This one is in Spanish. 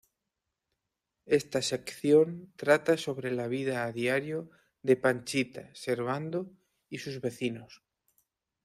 Esta sección trata sobre la vida a diario de Panchita, Servando y sus vecinos.